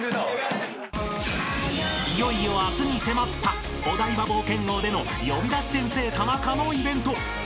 ［いよいよ明日に迫ったお台場冒険王での『呼び出し先生タナカ』のイベント］